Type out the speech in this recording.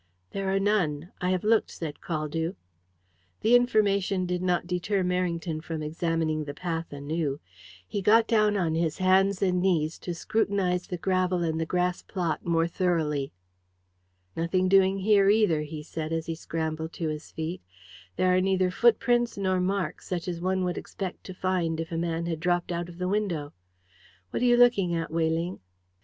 "There are none. I have looked," said Caldew. The information did not deter Merrington from examining the path anew. He got down on his hands and knees to scrutinize the gravel and the grass plot more thoroughly. "Nothing doing here either," he said as he scrambled to his feet. "There are neither footprints nor marks such as one would expect to find if a man had dropped out of the window. What are you looking at, Weyling?"